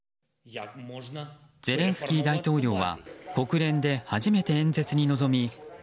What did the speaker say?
ゼレンスキー大統領は国連で初めて演説に臨み